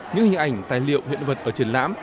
những hình ảnh tài liệu hiện vật ở triển lãm